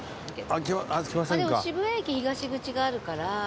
あっでも渋谷駅東口があるから。